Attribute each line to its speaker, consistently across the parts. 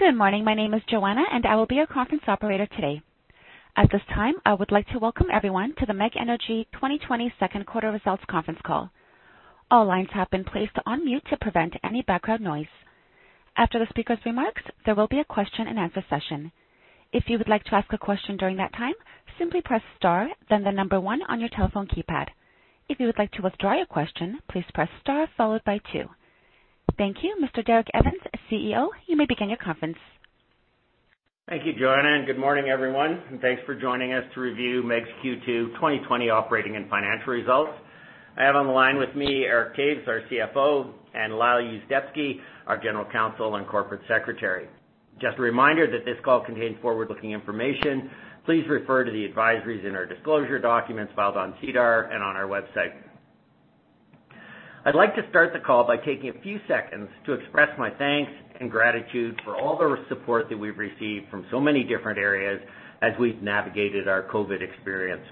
Speaker 1: Good morning. My name is Joanna, and I will be your conference operator today. At this time, I would like to welcome everyone to the MEG Energy 2020 Second Quarter Results Conference Call. All lines have been placed on mute to prevent any background noise. After the speaker's remarks, there will be a question and answer session. If you would like to ask a question during that time, simply press star, then the number one on your telephone keypad. If you would like to withdraw your question, please press star followed by two. Thank you. Mr. Derek Evans, CEO, you may begin your conference.
Speaker 2: Thank you, Joanna. And good morning, everyone. And thanks for joining us to review MEG's Q2 2020 Operating and Financial Results. I have on the line with me Eric Toews, our CFO, and Lyle Yuzdepski, our general counsel and corporate secretary. Just a reminder that this call contains forward-looking information. Please refer to the advisories and our disclosure documents filed on SEDAR and on our website. I'd like to start the call by taking a few seconds to express my thanks and gratitude for all the support that we've received from so many different areas as we've navigated our COVID experience.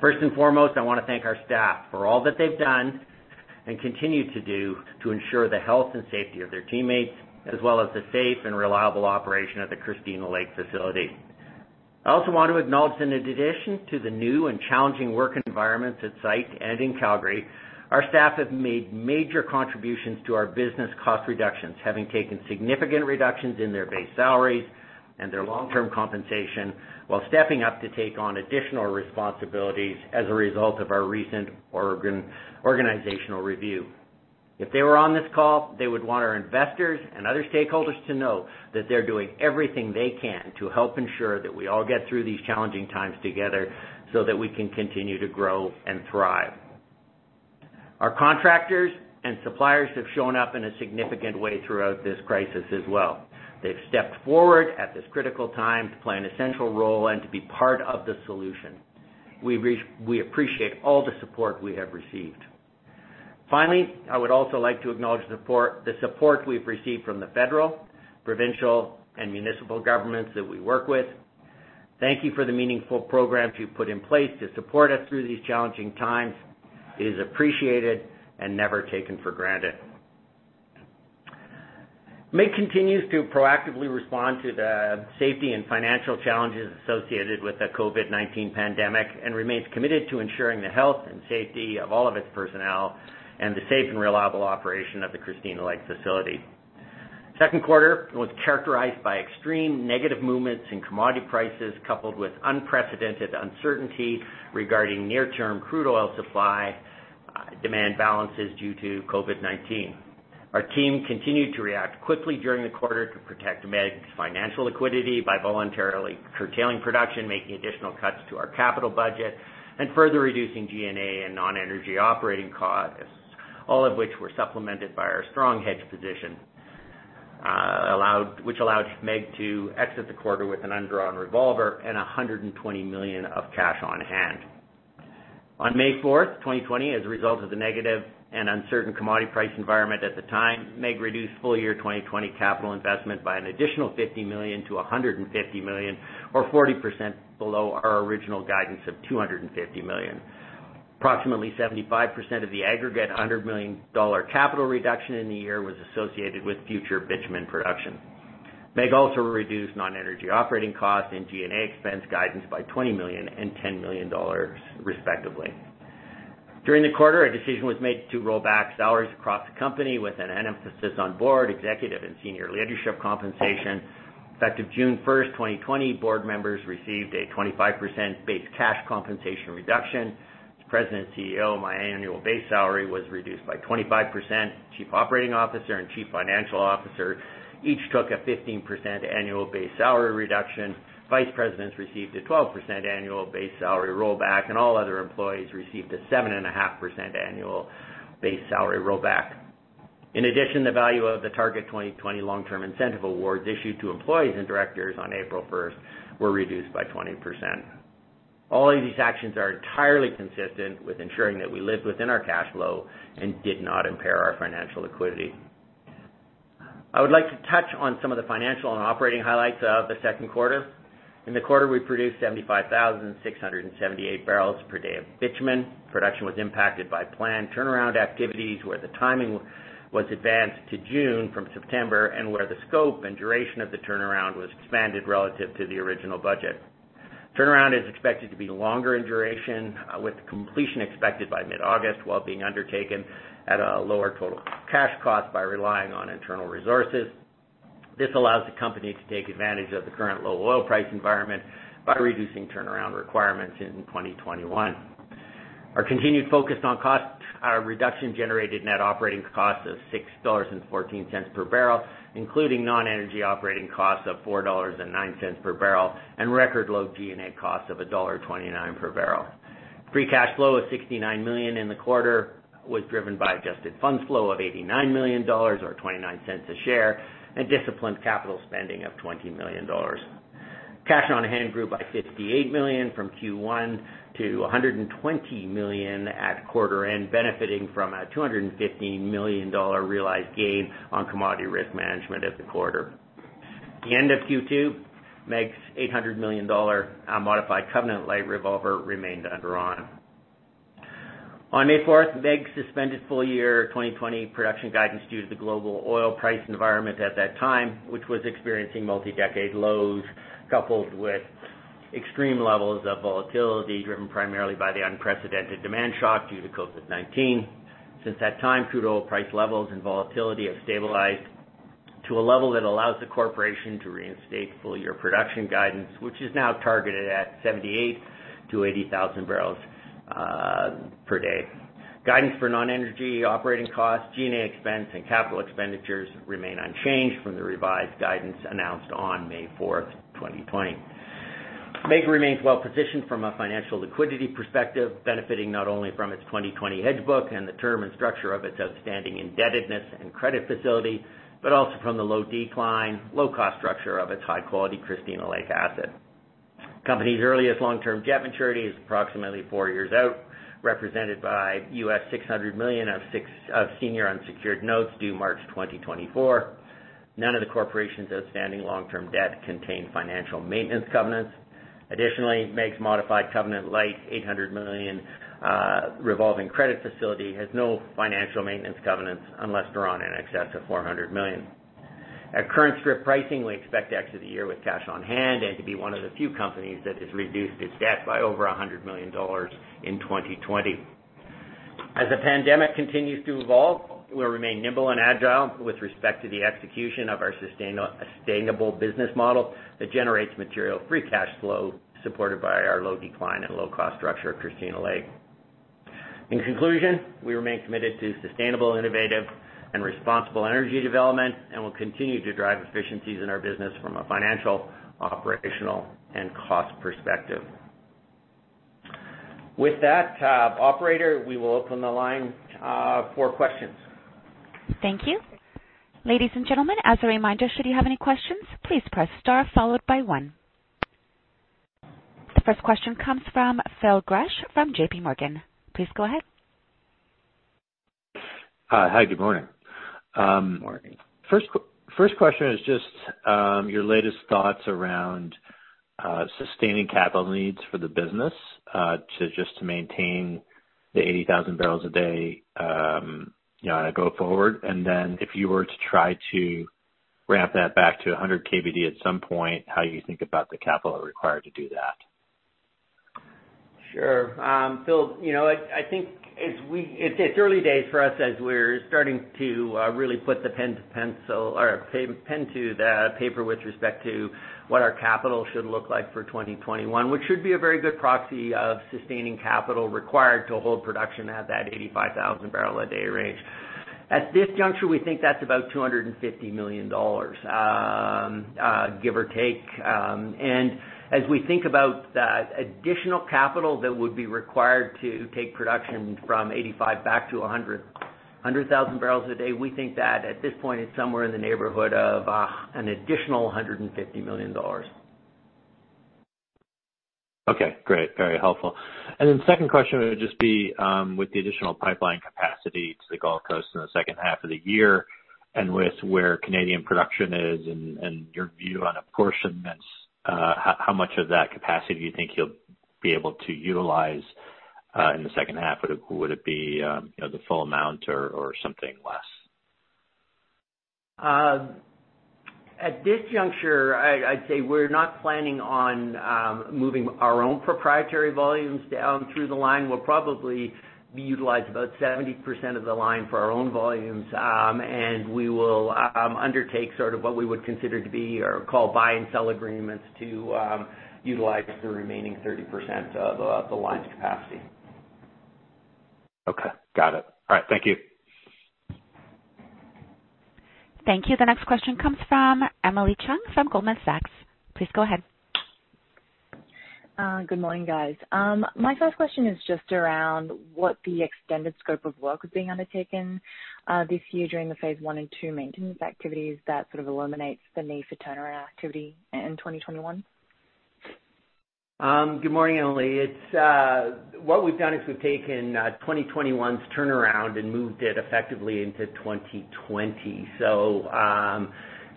Speaker 2: First and foremost, I want to thank our staff for all that they've done and continue to do to ensure the health and safety of their teammates, as well as the safe and reliable operation of the Christina Lake facility. I also want to acknowledge that in addition to the new and challenging work environments at site and in Calgary, our staff have made major contributions to our business cost reductions, having taken significant reductions in their base salaries and their long-term compensation while stepping up to take on additional responsibilities as a result of our recent organizational review. If they were on this call, they would want our investors and other stakeholders to know that they're doing everything they can to help ensure that we all get through these challenging times together so that we can continue to grow and thrive. Our contractors and suppliers have shown up in a significant way throughout this crisis as well. They've stepped forward at this critical time to play an essential role and to be part of the solution. We appreciate all the support we have received. Finally, I would also like to acknowledge the support we've received from the federal, provincial, and municipal governments that we work with. Thank you for the meaningful programs you've put in place to support us through these challenging times. It is appreciated and never taken for granted. MEG continues to proactively respond to the safety and financial challenges associated with the COVID-19 pandemic and remains committed to ensuring the health and safety of all of its personnel and the safe and reliable operation of the Christina Lake facility. Second quarter was characterized by extreme negative movements in commodity prices coupled with unprecedented uncertainty regarding near-term crude oil supply demand balances due to COVID-19. Our team continued to react quickly during the quarter to protect MEG's financial liquidity by voluntarily curtailing production, making additional cuts to our capital budget, and further reducing G&A and non-energy operating costs, all of which were supplemented by our strong hedge position, which allowed MEG to exit the quarter with an undrawn revolver and 120 million of cash on hand. On May 4th, 2020, as a result of the negative and uncertain commodity price environment at the time, MEG reduced full year 2020 capital investment by an additional 50 million-150 million, or 40% below our original guidance of 250 million. Approximately 75% of the aggregate 100 million dollar capital reduction in the year was associated with future bitumen production. MEG also reduced non-energy operating costs and G&A expense guidance by 20 million and 10 million dollars, respectively. During the quarter, a decision was made to roll back salaries across the company with an emphasis on board, executive, and senior leadership compensation. Effective June 1st, 2020, board members received a 25% base cash compensation reduction. The President and CEO, my annual base salary was reduced by 25%. Chief Operating Officer and Chief Financial Officer each took a 15% annual base salary reduction. Vice presidents received a 12% annual base salary rollback, and all other employees received a 7.5% annual base salary rollback. In addition, the value of the Target 2020 long-term incentive awards issued to employees and directors on April 1st were reduced by 20%. All of these actions are entirely consistent with ensuring that we lived within our cash flow and did not impair our financial liquidity. I would like to touch on some of the financial and operating highlights of the second quarter. In the quarter, we produced 75,678 barrels per day of bitumen. Production was impacted by planned turnaround activities where the timing was advanced to June from September and where the scope and duration of the turnaround was expanded relative to the original budget. Turnaround is expected to be longer in duration, with completion expected by mid-August while being undertaken at a lower total cash cost by relying on internal resources. This allows the company to take advantage of the current low oil price environment by reducing turnaround requirements in 2021. Our continued focus on cost reduction generated net operating cost of 6.14 dollars per barrel, including non-energy operating costs of 4.09 dollars per barrel and record low G&A cost of dollar 1.29 per barrel. Free cash flow of 69 million in the quarter was driven by adjusted funds flow of 89 million dollars or 0.29 a share and disciplined capital spending of 20 million dollars. Cash on hand grew by $58 million from Q1 to $120 million at quarter end, benefiting from a $215 million realized gain on commodity risk management in the quarter. At the end of Q2, MEG's $800 million modified covenant-lite revolver remained undrawn. On May 4th, MEG suspended full year 2020 production guidance due to the global oil price environment at that time, which was experiencing multi-decade lows coupled with extreme levels of volatility driven primarily by the unprecedented demand shock due to COVID-19. Since that time, crude oil price levels and volatility have stabilized to a level that allows the corporation to reinstate full year production guidance, which is now targeted at 78,000-80,000 barrels per day. Guidance for non-energy operating costs, G&A expense, and capital expenditures remain unchanged from the revised guidance announced on May 4th, 2020. MEG remains well positioned from a financial liquidity perspective, benefiting not only from its 2020 hedge book and the term and structure of its outstanding indebtedness and credit facility, but also from the low decline, low-cost structure of its high-quality Christina Lake asset. The company's earliest long-term debt maturity is approximately four years out, represented by $600 million of senior unsecured notes due March 2024. None of the corporation's outstanding long-term debt contains financial maintenance covenants. Additionally, MEG's modified covenant-lite 800 million revolving credit facility has no financial maintenance covenants unless drawn in excess of 400 million. At current strip pricing, we expect to exit the year with cash on hand and to be one of the few companies that has reduced its debt by over 100 million dollars in 2020. As the pandemic continues to evolve, we'll remain nimble and agile with respect to the execution of our sustainable business model that generates material free cash flow supported by our low decline and low-cost structure of Christina Lake. In conclusion, we remain committed to sustainable, innovative, and responsible energy development and will continue to drive efficiencies in our business from a financial, operational, and cost perspective. With that, operator, we will open the line for questions.
Speaker 1: Thank you. Ladies and gentlemen, as a reminder, should you have any questions, please press star followed by one. The first question comes from Phil Gresh from JPMorgan. Please go ahead.
Speaker 3: Hi, good morning. First question is just your latest thoughts around sustaining capital needs for the business to just maintain the 80,000 barrels a day go forward. And then if you were to try to ramp that back to 100 KBD at some point, how do you think about the capital required to do that?
Speaker 2: Sure. Phil, I think it's early days for us as we're starting to really put the pen to the paper with respect to what our capital should look like for 2021, which should be a very good proxy of sustaining capital required to hold production at that 85,000 barrel a day range. At this juncture, we think that's about 250 million dollars, give or take. And as we think about that additional capital that would be required to take production from 85 back to 100,000 barrels a day, we think that at this point, it's somewhere in the neighborhood of an additional 150 million dollars.
Speaker 4: Okay. Great. Very helpful. And then the second question would just be with the additional pipeline capacity to the Gulf Coast in the second half of the year and with where Canadian production is and your view on apportionments, how much of that capacity do you think you'll be able to utilize in the second half? Would it be the full amount or something less?
Speaker 2: At this juncture, I'd say we're not planning on moving our own proprietary volumes down through the line. We'll probably utilize about 70% of the line for our own volumes, and we will undertake sort of what we would consider to be or call buy and sell agreements to utilize the remaining 30% of the line's capacity.
Speaker 3: Okay. Got it. All right. Thank you.
Speaker 1: Thank you. The next question comes from Emily Chieng from Goldman Sachs. Please go ahead.
Speaker 5: Good morning, guys. My first question is just around what the extended scope of work is being undertaken this year during the phase one and two maintenance activities that sort of eliminates the need for turnaround activity in 2021?
Speaker 2: Good morning, Emily. What we've done is we've taken 2021's turnaround and moved it effectively into 2020. So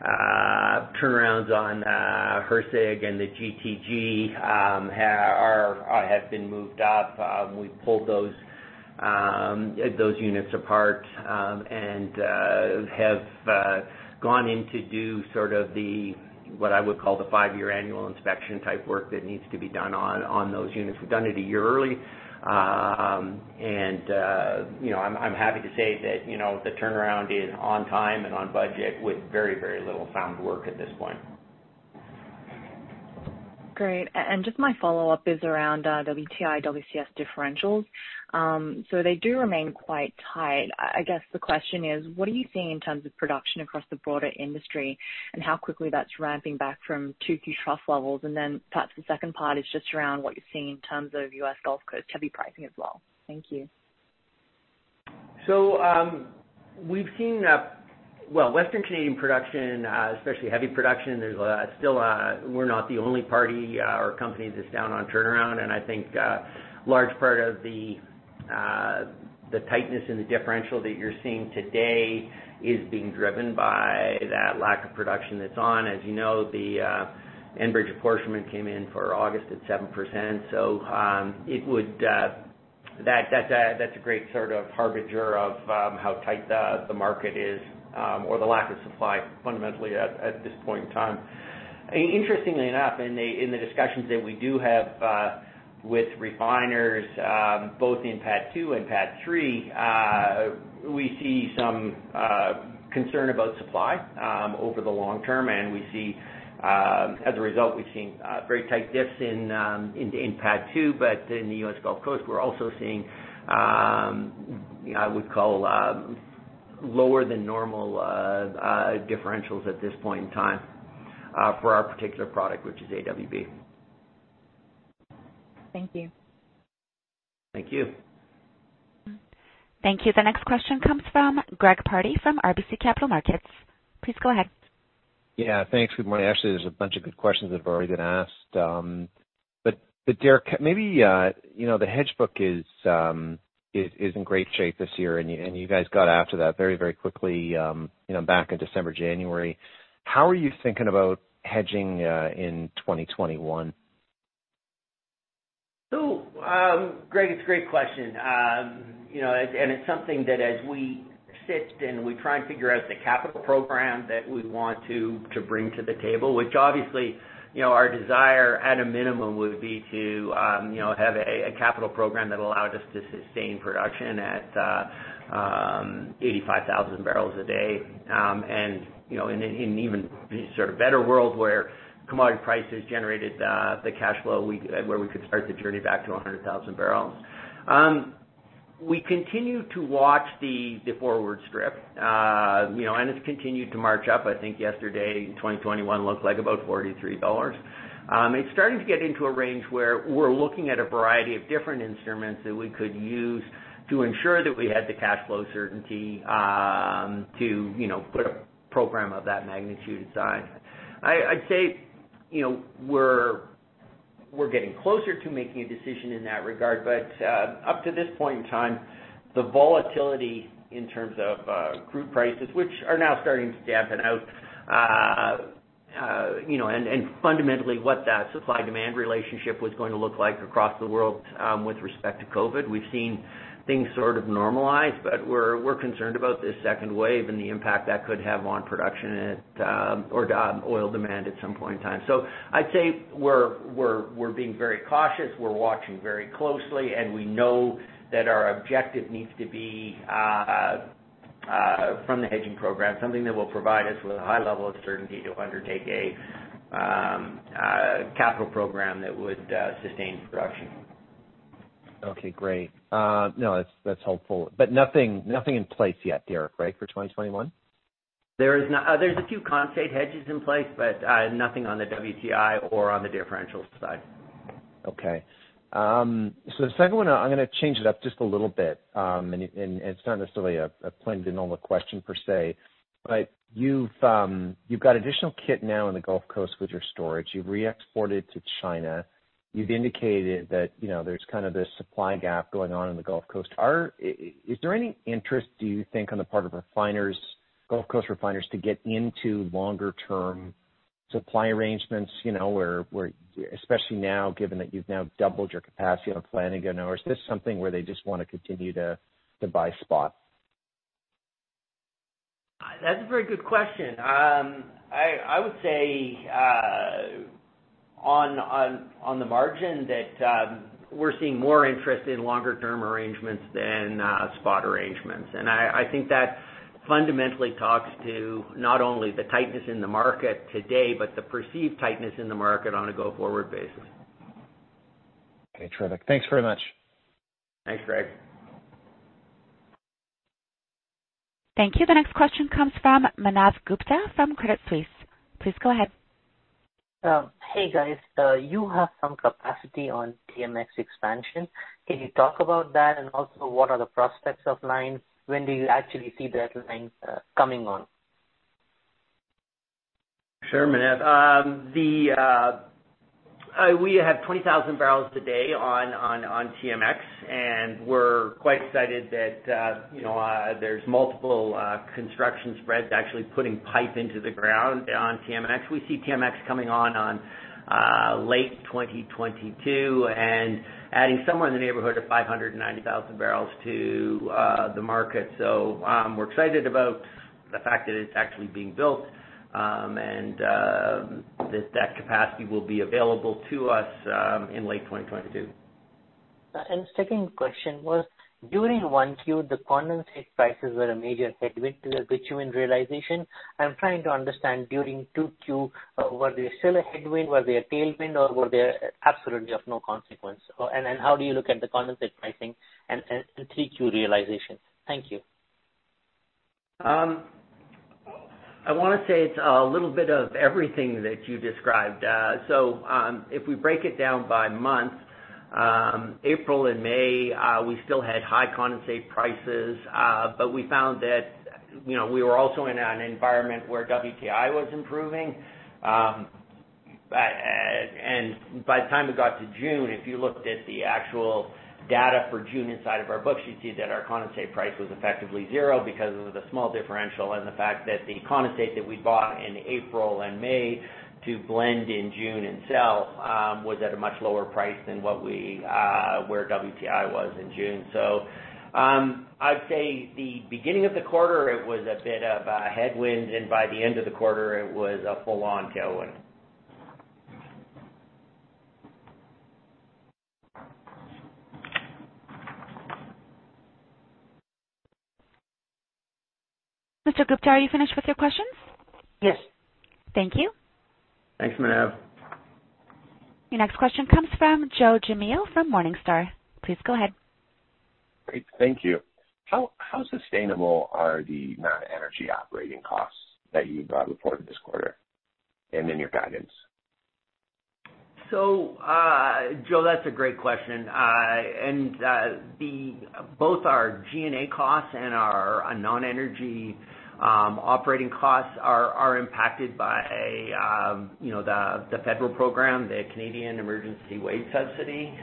Speaker 2: turnarounds on HRSG and the GTG have been moved up. We've pulled those units apart and have gone in to do sort of what I would call the five-year annual inspection type work that needs to be done on those units. We've done it a year early. And I'm happy to say that the turnaround is on time and on budget with very, very little snag work at this point.
Speaker 5: Great, and just my follow-up is around WTI, WCS differentials. They do remain quite tight. I guess the question is, what are you seeing in terms of production across the broader industry and how quickly that's ramping back from two-year trough levels? And then perhaps the second part is just around what you're seeing in terms of U.S. Gulf Coast heavy pricing as well. Thank you.
Speaker 2: We've seen, well, Western Canadian production, especially heavy production. We're not the only party or company that's down on turnaround. And I think a large part of the tightness in the differential that you're seeing today is being driven by that lack of production that's on. As you know, the Enbridge apportionment came in for August at 7%. So that's a great sort of harbinger of how tight the market is or the lack of supply fundamentally at this point in time. Interestingly enough, in the discussions that we do have with refiners, both in PADD 2 and PADD 3, we see some concern about supply over the long term. And as a result, we've seen very tight diffs in PADD 2. But in the U.S. Gulf Coast, we're also seeing what I would call lower than normal differentials at this point in time for our particular product, which is AWB.
Speaker 5: Thank you.
Speaker 2: Thank you.
Speaker 1: Thank you. The next question comes from Greg Pardy from RBC Capital Markets. Please go ahead.
Speaker 3: Yeah. Thanks. Good morning. Actually, there's a bunch of good questions that have already been asked. But, Derek, maybe the hedge book is in great shape this year, and you guys got after that very, very quickly back in December, January. How are you thinking about hedging in 2021?
Speaker 2: So, Greg, it's a great question. And it's something that as we sit and we try and figure out the capital program that we want to bring to the table, which obviously our desire at a minimum would be to have a capital program that allowed us to sustain production at 85,000 barrels a day. And in an even sort of better world where commodity prices generated the cash flow where we could start the journey back to 100,000 barrels. We continue to watch the forward strip, and it's continued to march up. I think yesterday in 2021 looked like about $43. It's starting to get into a range where we're looking at a variety of different instruments that we could use to ensure that we had the cash flow certainty to put a program of that magnitude aside. I'd say we're getting closer to making a decision in that regard. But up to this point in time, the volatility in terms of crude prices, which are now starting to dampen out, and fundamentally what that supply-demand relationship was going to look like across the world with respect to COVID, we've seen things sort of normalize. But we're concerned about this second wave and the impact that could have on production or oil demand at some point in time. So I'd say we're being very cautious. We're watching very closely, and we know that our objective needs to be from the hedging program, something that will provide us with a high level of certainty to undertake a capital program that would sustain production.
Speaker 3: Okay. Great. No, that's helpful. But nothing in place yet, Derek, right, for 2021?
Speaker 2: There's a few condensate hedges in place, but nothing on the WTI or on the differential side.
Speaker 3: Okay. So the second one, I'm going to change it up just a little bit. And it's not necessarily a novel question per se. But you've got additional kit now in the Gulf Coast with your storage. You've re-exported to China. You've indicated that there's kind of this supply gap going on in the Gulf Coast. Is there any interest, do you think, on the part of Gulf Coast refiners to get into longer-term supply arrangements, especially now, given that you've now doubled your capacity on planning? Or is this something where they just want to continue to buy spot?
Speaker 2: That's a very good question. I would say on the margin that we're seeing more interest in longer-term arrangements than spot arrangements. And I think that fundamentally talks to not only the tightness in the market today, but the perceived tightness in the market on a go-forward basis.
Speaker 3: Okay. Terrific. Thanks very much.
Speaker 2: Thanks, Greg.
Speaker 1: Thank you. The next question comes from Manav Gupta from Credit Suisse. Please go ahead.
Speaker 6: Hey, guys. You have some capacity on TMX expansion. Can you talk about that? And also, what are the prospects of line? When do you actually see that line coming on?
Speaker 2: Sure, Manav. We have 20,000 barrels a day on TMX, and we're quite excited that there's multiple construction spreads actually putting pipe into the ground on TMX. We see TMX coming on late 2022 and adding somewhere in the neighborhood of 590,000 barrels to the market. So we're excited about the fact that it's actually being built and that that capacity will be available to us in late 2022.
Speaker 6: And second question was, during Q1, the condensate prices were a major headwind to the bitumen realization. I'm trying to understand during Q2, were they still a headwind? Were they a tailwind, or were they absolutely of no consequence? And how do you look at the condensate pricing and Q3 realization? Thank you.
Speaker 2: I want to say it's a little bit of everything that you described. So if we break it down by month, April and May, we still had high condensate prices. But we found that we were also in an environment where WTI was improving. And by the time we got to June, if you looked at the actual data for June inside of our books, you'd see that our condensate price was effectively zero because of the small differential and the fact that the condensate that we bought in April and May to blend in June and sell was at a much lower price than where WTI was in June. So I'd say the beginning of the quarter, it was a bit of a headwind. And by the end of the quarter, it was a full-on tailwind.
Speaker 1: Mr. Gupta, are you finished with your questions?
Speaker 6: Yes.
Speaker 1: Thank you.
Speaker 2: Thanks, Manav.
Speaker 1: Your next question comes from Joe Gemino from Morningstar. Please go ahead.
Speaker 7: Great. Thank you. How sustainable are the non-energy operating costs that you reported this quarter and in your guidance?
Speaker 2: Joe, that's a great question. Both our G&A costs and our non-energy operating costs are impacted by the federal program, the Canadian Emergency Wage Subsidy.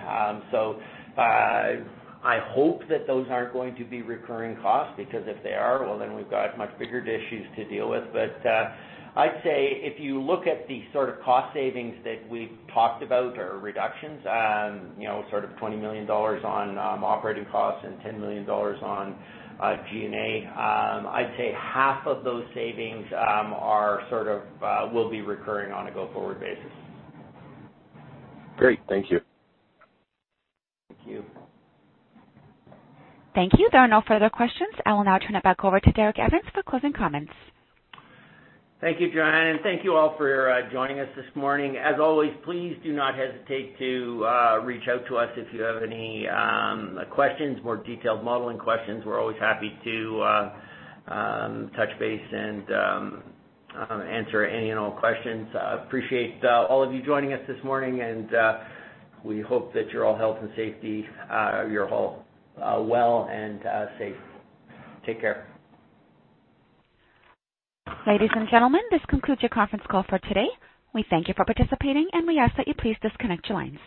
Speaker 2: I hope that those aren't going to be recurring costs because if they are, well, then we've got much bigger issues to deal with. I'd say if you look at the sort of cost savings that we've talked about or reductions, sort of 20 million dollars on operating costs and 10 million dollars on G&A, I'd say half of those savings are sort of will be recurring on a go-forward basis.
Speaker 7: Great. Thank you.
Speaker 2: Thank you.
Speaker 1: Thank you. There are no further questions. I will now turn it back over to Derek Evans for closing comments.
Speaker 2: Thank you, Joanna, and thank you all for joining us this morning. As always, please do not hesitate to reach out to us if you have any questions, more detailed modeling questions. We're always happy to touch base and answer any and all questions. Appreciate all of you joining us this morning, and we hope that you're all healthy and safe, you're all well and safe. Take care.
Speaker 1: Ladies and gentlemen, this concludes your conference call for today. We thank you for participating, and we ask that you please disconnect your lines.